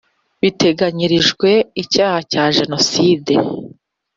biteganyirijwe icyaha cya jenoside